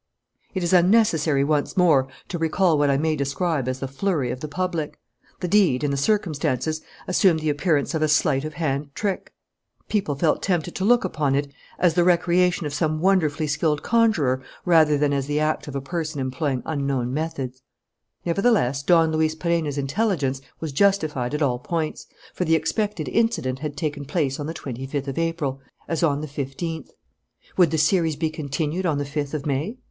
It is unnecessary once more to recall what I may describe as the flurry of the public. The deed, in the circumstances, assumed the appearance of a sleight of hand trick. People felt tempted to look upon it as the recreation of some wonderfully skilful conjurer rather than as the act of a person employing unknown methods. Nevertheless, Don Luis Perenna's intelligence was justified at all points, for the expected incident had taken place on the twenty fifth of April, as on the fifteenth. Would the series be continued on the fifth of May?